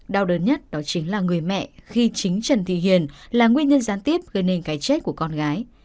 đau đớn nhất đó chính là người mẹ khi chính trần thị hiền là nguyên nhân gián tiếp gây nên cái chết của con gái